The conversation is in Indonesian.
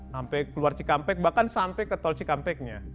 sampai keluar cikampek bahkan sampai ke tol cikampeknya